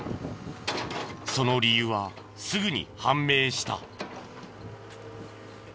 その理由はすぐに判明した。